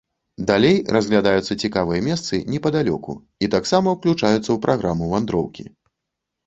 Далей разглядаюцца цікавыя месцы непадалёку і таксама ўключаюцца ў праграму вандроўкі.